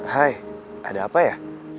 hai ada apa ya